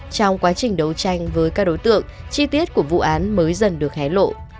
trong quá trình đấu tranh với các đối tượng chi tiết của vụ án mới dần được hé lộ